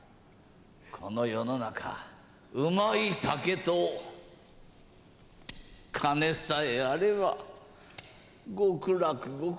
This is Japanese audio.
この世の中うまい酒と金さえあれば極楽極楽！